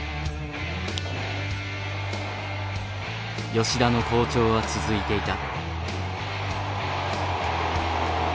吉田の好調は続いていた。